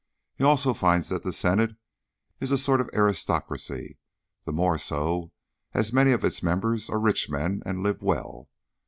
He also finds that the Senate is a sort of aristocracy, the more so as many of its members are rich men and live well.